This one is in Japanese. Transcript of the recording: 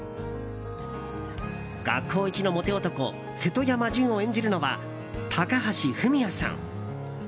学校一のモテ男・瀬戸山潤を演じるのは高橋文哉さん。